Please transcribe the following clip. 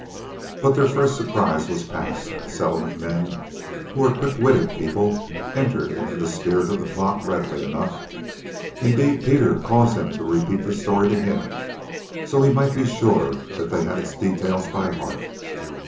But their first surprise was past, the Settlement men, who were quick witted people, entered into the spirit of the plot readily enough; indeed, Peter caused them to repeat the story to him, so that he might be sure that they had its details by heart.